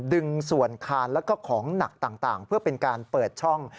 ดึงส่วนคานแล้วก็ของหนักต่างเพื่อเป็นการเปิดช่อง